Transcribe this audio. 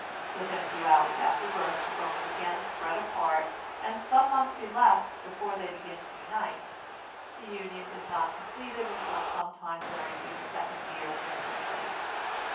Within a few hours after birth the bones again spread apart, and some months elapse before they begin to unite; the union is not completed until some time during the second year of infancy.